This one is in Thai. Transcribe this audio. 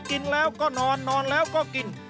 กินแล้วก็นอนนอนแล้วก็กิน